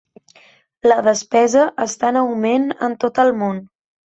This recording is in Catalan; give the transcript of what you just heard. La despesa està en augment en tot el món.